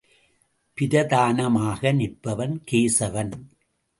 பிரதானமாக நிற்பவன் கேசவன்.